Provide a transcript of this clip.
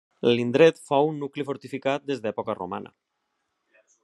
L'indret fou un nucli fortificat des d'època romana.